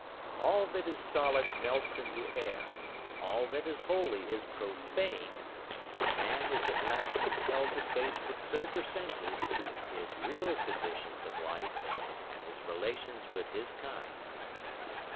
All that is solid melts into air, all that is holy is profaned, and man is at last compelled to face with sober senses, his real conditions of life, and his relations with his kind.